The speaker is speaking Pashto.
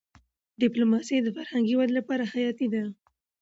ډيپلوماسي د فرهنګي ودي لپاره حياتي ده.